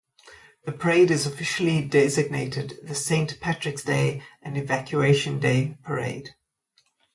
The parade is officially designated the Saint Patrick's Day and Evacuation Day Parade.